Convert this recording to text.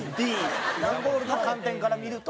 段ボールの観点から見ると？